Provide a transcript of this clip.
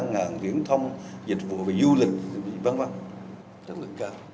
dịch vụ chất lượng cao chuyển thông dịch vụ về du lịch văn văn chất lượng cao